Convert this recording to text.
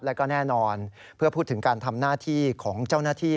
แล้วก็แน่นอนเพื่อพูดถึงการทำหน้าที่ของเจ้าหน้าที่